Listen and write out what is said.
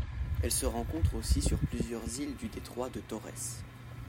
Elle se rencontre aussi sur plusieurs îles du Détroit de Torrès.